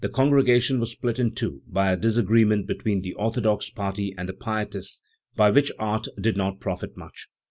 congregation was split in two by a disagreement between the orthodox party and the pietists, by which art did not profit much.